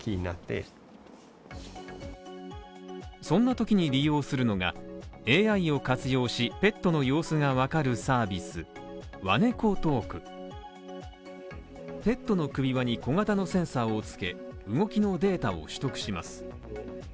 そんなときに利用するのがＡＩを活用し、ペットの様子がわかるサービスｗａｎｅｋｏｔａｌｋペットの首輪に小型のセンサーを付け動きのデータを取得します。